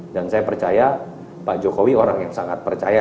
dan saya percaya pak jokowi orang yang sangat percaya